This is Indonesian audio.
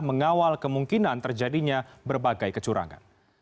mengawal kemungkinan terjadinya berbagai kecurangan